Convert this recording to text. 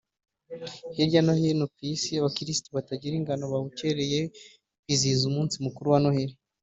Hirya no hino ku isi abakirisitu batagira ingano babukereye kwizihiza umunsi mukuru wa Noheli